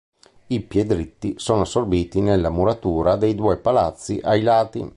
I piedritti sono assorbiti nella muratura dei due palazzi ai lati.